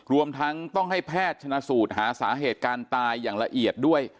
รวมทั้งต้องให้แพทย์ชนะสูตรหาสาเหตุการณ์ตายอย่างละเอียดด้วย